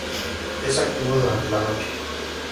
Es activo durante la noche.